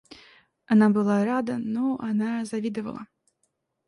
Она была рада, но она завидовала.